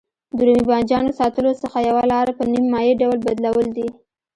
د رومي بانجانو ساتلو څخه یوه لاره په نیم مایع ډول بدلول دي.